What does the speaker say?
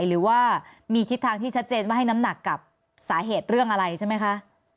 หรือว่ามีทิศทางที่ชัดเจนว่าให้น้ำหนักกับสาเหตุเรื่องอะไรใช่ไหมคะ